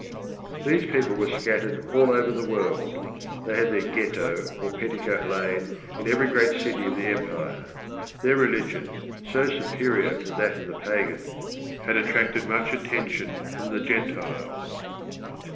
These people were scattered over all the world; they had their Ghetto or Petticoat Lane in every great city of the empire; their religion, so superior to that of the pagans, had attracted much attention from the Gentiles.